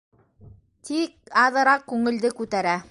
Тик аҙыраҡ күңелде күтәрә...